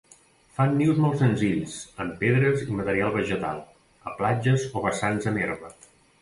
Fan nius molt senzills, amb pedres i material vegetal, a platges o vessants amb herba.